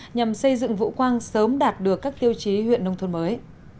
nhằm xây dựng vũ quang sớm đạt được các tiêu chí huyện nông thôn mới